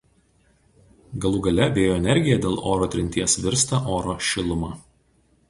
Galų gale vėjo energija dėl oro trinties virsta oro šiluma.